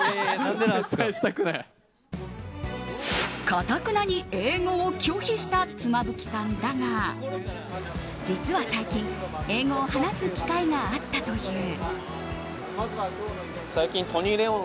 かたくなに英語を拒否した妻夫木さんだが実は最近英語を話す機会があったという。